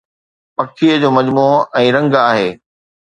پکيءَ جو مجموعو ۽ رنگ آهي